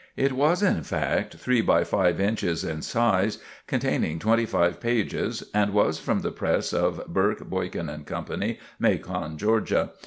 It was in fact three by five inches in size, contained twenty five pages and was from the press of Burke, Boykin & Co., Macon, Georgia.